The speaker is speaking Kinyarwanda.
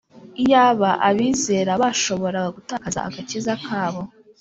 Iyaba abizera bashoboraga gutakaza agakiza kabo,